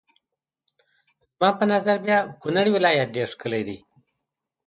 زما په نظر بیا کونړ ولایت ډېر ښکلی دی.